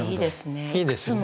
いいですね。